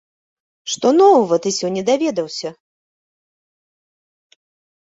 Што новага ты сёння даведаўся?